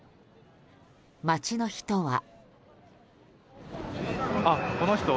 街の人は。